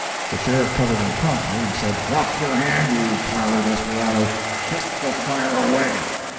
The sheriff covered him promptly, and said, "Drop your hand, you parlor desperado. Kick the fire away.